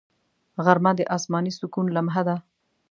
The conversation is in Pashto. غرمه د آسماني سکون لمحه ده